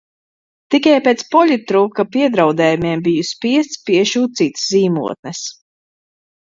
Tikai pēc poļitruka piedraudējumiem biju spiests piešūt citas zīmotnes.